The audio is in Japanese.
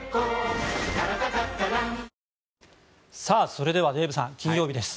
それでは、デーブさん金曜日です。